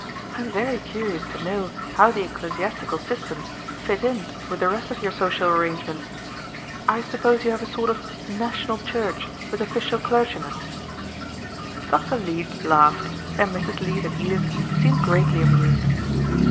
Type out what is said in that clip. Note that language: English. I am very curious to know how the ecclesiastical systems fit in with the rest of your social arrangements. I suppose you have a sort of national church with official clergymen." Dr. Leete laughed, and Mrs. Leete and Edith seemed greatly amused.